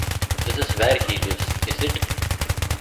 This is where he lives, is it?